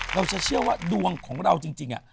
เราจะเชื่อว่าดวงของเราจริง